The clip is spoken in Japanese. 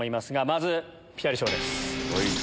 まずピタリ賞です。